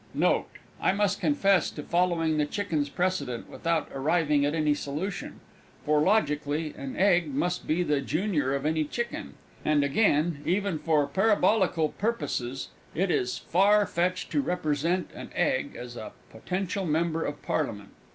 Note. I must confess to following the Chicken's precedent, without arriving at any solution. For, logically, an Egg must be the junior of any Chicken. And again, even for parabolical purposes, it is far fetched to represent an Egg as a potential Member of Parliament.